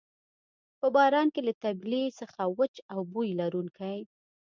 په باران کې له طبیلې څخه وچ او بوی لرونکی.